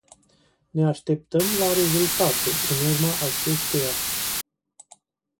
Ne așteptăm la rezultate în urma acesteia.